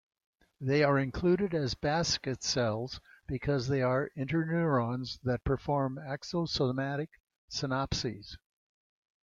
They are included as basket cells because they are interneurons that perform axo-somatic synapses.